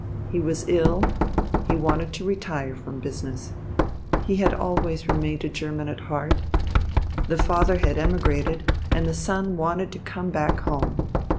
He was ill, he wanted to retire from business. He had always remained a German at heart. The father had emigrated, and the son wanted to come back home.